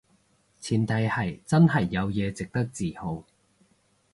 前提係真係有嘢值得自豪